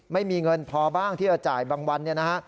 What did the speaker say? ไม่มีเงินพอบ้างที่จะจ่ายบางวันเนี่ยนะฮะ